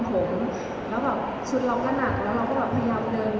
ชุดเราก็หนักแล้วเราก็พยายามเดิน